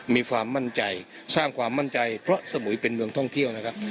มีความมั่นใจสร้างความมั่นใจเพราะสมุยเป็นเมืองท่องเที่ยวนะครับ